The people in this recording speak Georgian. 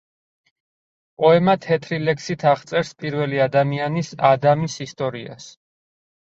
პოემა თეთრი ლექსით აღწერს პირველი ადამიანის ადამის ისტორიას.